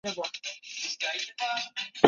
绍兴三十二年六月宋孝宗即位沿用。